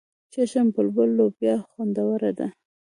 چشم بلبل لوبیا خوندوره ده.